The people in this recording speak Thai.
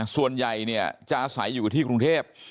ส่วนใหญ่จะอาศัยอยู่ที่กรุงเทพ